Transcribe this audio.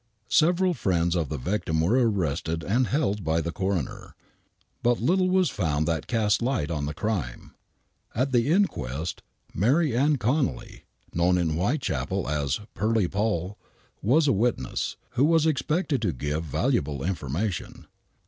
Several friends of the victim were arrested and held by the coroner. But little was found that cast light on the crime. At the inquest, Mary Ann Connelly, known in Whitechapel as " Pearly Poll," was a witness, vho was expected to give valu able information.